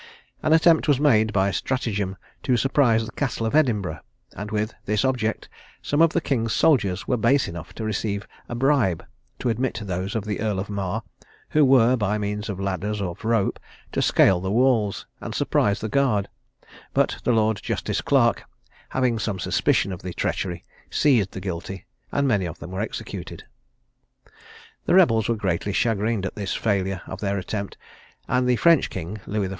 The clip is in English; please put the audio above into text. An attempt was made by stratagem to surprise the castle of Edinburgh; and with this object, some of the king's soldiers were base enough to receive a bribe to admit those of the Earl of Mar, who were, by means of ladders of rope, to scale the walls, and surprise the guard; but the Lord Justice Clerk, having some suspicion of the treachery, seized the guilty, and many of them were executed. The rebels were greatly chagrined at this failure of their attempt; and the French king, Louis XIV.